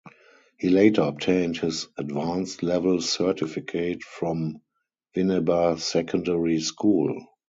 He later obtained his Advanced Level Certificate from Winneba Secondary School.